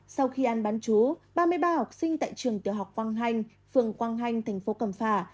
sau khi ăn bán chú ba mươi ba học sinh tại trường tiểu học quang hanh phường quang hanh tp cầm phà